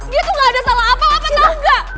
gitu gak ada salah apa apa tau gak